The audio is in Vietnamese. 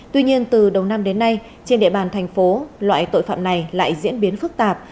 tuy nhiên từ đầu năm đến nay trên địa bàn thành phố loại tội phạm này lại diễn biến phức tạp